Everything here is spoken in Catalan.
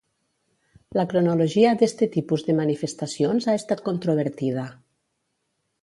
La cronologia d'este tipus de manifestacions ha estat controvertida.